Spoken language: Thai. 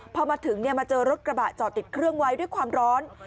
พอมาถึงมาเจอรถกระบะจอดติดเครื่องไว้ด้วยความร้อน